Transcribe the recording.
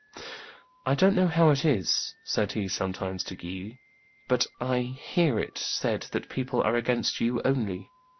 "I don't know how it is," said he sometimes to the Guises, "but I hear it said that people are against you only.